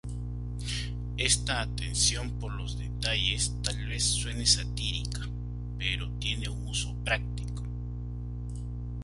Esta atención por los detalles tal vez suene satírica, pero tiene un uso práctico.